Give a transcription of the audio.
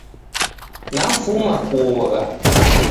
Nafuma kuogha.